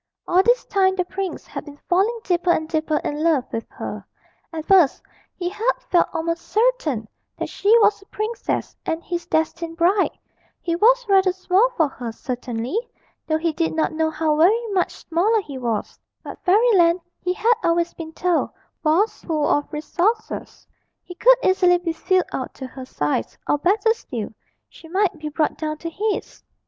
All this time the prince had been falling deeper and deeper in love with her; at first he had felt almost certain that she was a princess and his destined bride; he was rather small for her, certainly, though he did not know how very much smaller he was; but Fairyland, he had always been told, was full of resources he could easily be filled out to her size, or, better still, she might be brought down to his.